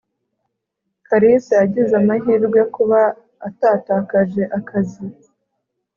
kalisa yagize amahirwe kuba atatakaje akazi